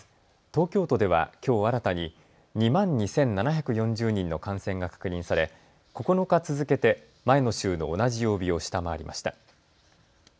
東京都では、きょう新たに２万２７４０人の感染が確認され９日続けて前の週の同じ曜日を下回りました。